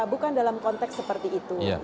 bukan dalam konteks seperti itu